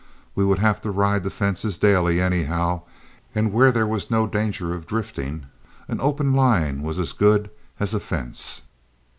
We would have to ride the fences daily, anyhow, and where there was no danger of drifting, an open line was as good as a fence.